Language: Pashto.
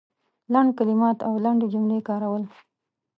لنډ کلمات او لنډې جملې کارول